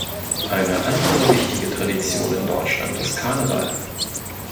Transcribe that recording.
Eine andere wichtige Tradition in Deutschland ist Karneval.